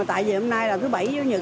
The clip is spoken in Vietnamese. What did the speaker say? tại vì hôm nay là thứ bảy thứ nhật